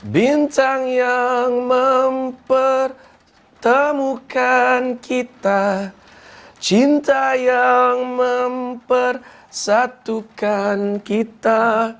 bintang yang mempertemukan kita cinta yang mempersatukan kita